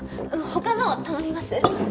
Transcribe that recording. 他のを頼みます？